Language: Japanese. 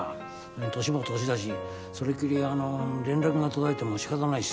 もう年も年だしそれっきり連絡が途絶えても仕方ないしさ。